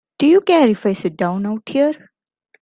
Do you care if I sit down out here?